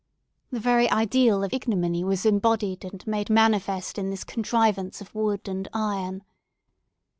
The very ideal of ignominy was embodied and made manifest in this contrivance of wood and iron.